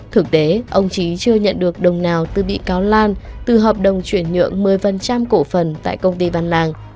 thực tế ông trí chưa nhận được đồng nào từ bị cáo lan từ hợp đồng chuyển nhượng một mươi cổ phần tại công ty văn lang